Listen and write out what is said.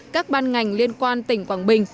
các ban ngành liên quan tỉnh quảng bình